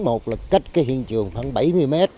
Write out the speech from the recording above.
một là cách cái hiện trường khoảng bảy mươi mét